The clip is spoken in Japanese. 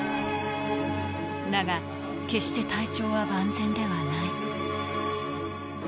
だが、決して体調は万全ではない。